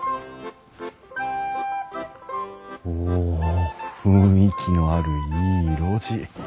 お雰囲気のあるいい路地。